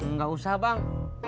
nggak usah bang